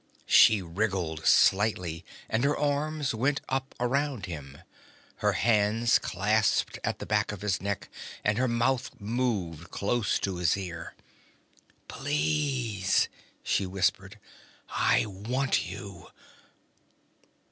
She wriggled slightly and her arms went up around him. Her hands clasped at the back of his neck and her mouth moved, close to his ear. "Please," she whispered. "I want you...."